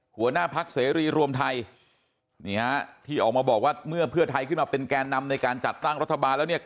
หัวหน้าพักเสรีรวมไทยนี่ฮะที่ออกมาบอกว่าเมื่อเพื่อไทยขึ้นมาเป็นแกนนำในการจัดตั้งรัฐบาลแล้วเนี่ย